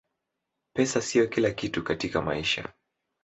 pesa siyo kila kitu katakia maisha